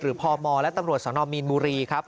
พมและตำรวจสนมีนบุรีครับ